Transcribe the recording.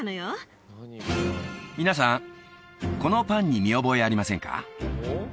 このパンに見覚えありませんか？